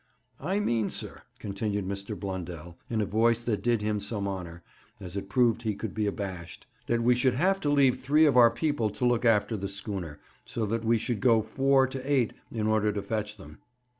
'I mean, sir,' continued Mr. Blundell, in a voice that did him some honour, as it proved he could be abashed, 'that we should have to leave three of our people to look after the schooner, so that we should go four to eight in order to fetch them.'